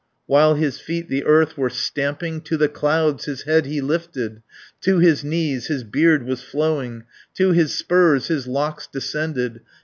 While his feet the earth were stamping, To the clouds his head he lifted, To his knees his beard was flowing, To his spurs his locks descended.